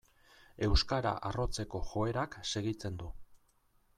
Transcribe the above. Euskara arrotzeko joerak segitzen du.